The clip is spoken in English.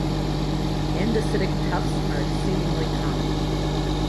Andesitic tuffs are exceedingly common.